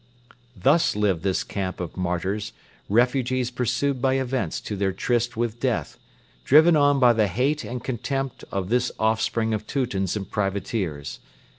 Thus lived this camp of martyrs, refugees pursued by events to their tryst with Death, driven on by the hate and contempt of this offspring of Teutons and privateers!